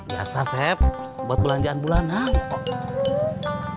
biasa sep buat belanjaan bulanan